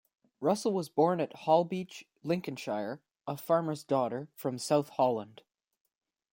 Russell was born at Holbeach, Lincolnshire, a farmer's daughter from South Holland.